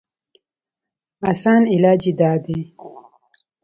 اسان علاج ئې دا دی